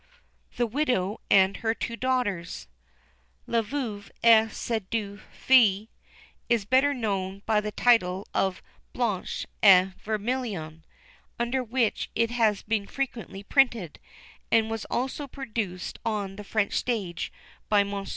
THE WIDOW AND HER TWO DAUGHTERS. La Veuve et ses Deux Filles is better known by the title of Blanche and Vermillion, under which it has been frequently printed, and was also produced on the French stage by Mons.